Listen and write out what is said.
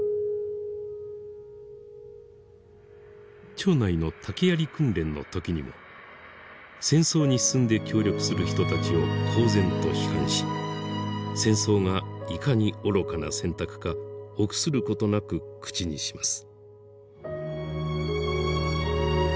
町内の竹ヤリ訓練の時にも戦争に進んで協力する人たちを公然と批判し戦争がいかに愚かな選択か臆することなく口にします。